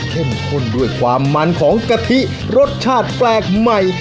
ข้นด้วยความมันของกะทิรสชาติแปลกใหม่